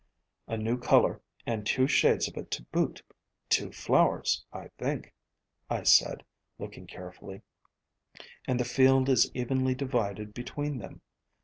"A new color and two shades of it to boot, — two flowers, I think," I said, looking carefully, "and the field is evenly divided between them.